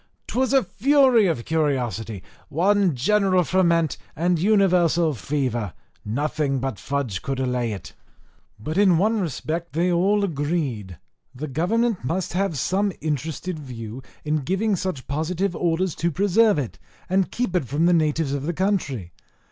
'Twas a fury of curiosity, one general ferment, and universal fever nothing but fudge could allay it. But in one respect they all agreed, that government must have had some interested view, in giving such positive orders to preserve it, and keep it from the natives of the country.